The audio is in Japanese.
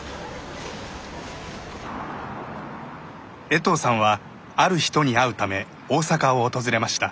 衛藤さんはある人に会うため大阪を訪れました。